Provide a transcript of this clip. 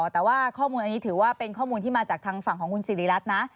แต่ว่าข้อมูลอันนี้ถือว่าเป็นข้อมูลที่มาจากทางฝั่งของคุณสิริรัตน์นะ